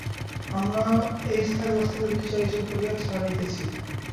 আমরাও এ স্থানে ও স্থানে দুই চারিজন করিয়া ছড়াইতেছি।